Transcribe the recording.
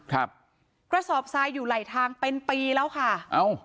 กระสอบทรายอยู่ไหลทางเป็นปีแล้วค่ะเอ้า